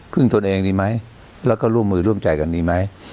ตนเองดีไหมแล้วก็ร่วมมือร่วมใจกันดีไหม